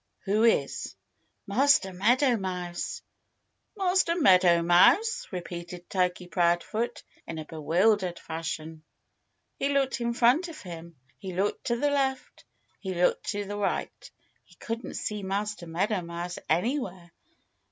"Who is?" "Master Meadow Mouse!" "Master Meadow Mouse!" repeated Turkey Proudfoot in a bewildered fashion. He looked in front of him. He looked to the left. He looked to the right. He couldn't see Master Meadow Mouse anywhere.